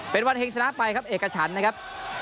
เป็นวันแห่งชนะไปครับเอกฉันนะครับ